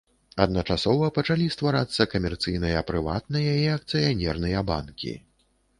Адначасова пачалі стварацца камерцыйныя прыватныя і акцыянерныя банкі.